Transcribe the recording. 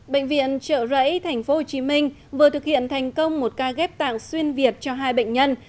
bệnh viện trợ rẫy tp hcm vừa thực hiện thành công một ca ghép tạng xuyên việt cho hai bệnh nhân